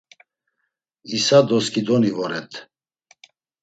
İsa doskidoni voret.